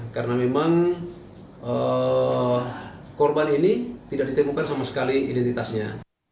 karena memang korban ini tidak ditemukan sama sekali identitasnya